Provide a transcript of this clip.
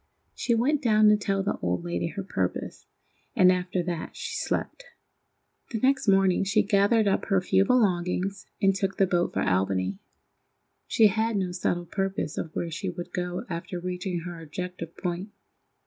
She went down to tell the old lady her purpose, and after that she slept. The next morning she gathered up her few belongings and took the boat for Albany. She had no settled purpose of where she would go after reaching her objective point.